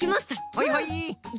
はいはい。